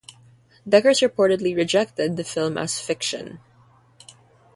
Deckers reportedly rejected the film as "fiction".